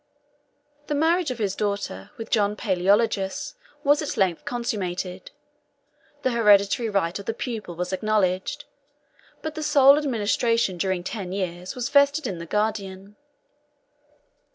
The marriage of his daughter with John Palæologus was at length consummated: the hereditary right of the pupil was acknowledged; but the sole administration during ten years was vested in the guardian.